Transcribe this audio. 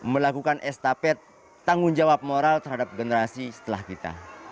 melakukan estafet tanggung jawab moral terhadap generasi setelah kita